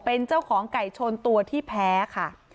เป็นเจ้าของไก่ชนตัวที่แพ้ค่ะ